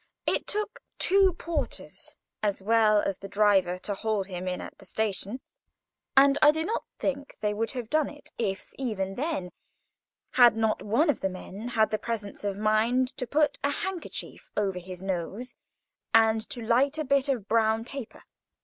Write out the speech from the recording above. It took two porters as well as the driver to hold him in at the station; and I do not think they would have done it, even then, had not one of the men had the presence of mind to put a handkerchief over his nose, and to light a bit of brown paper.